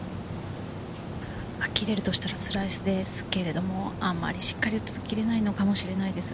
切れるとしたらスライスですけれど、あんまりしっかり打つと、切れないのかもしれないです。